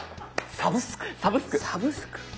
サブスク。